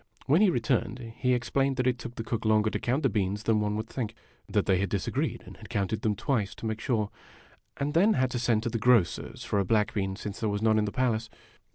When he returned, he explained that it took the cook longer to count the beans than one would think. That they had disagreed, and had counted them twice, to make sure ; and then had to send to the grocer's for a black bean, since there was none in the palace.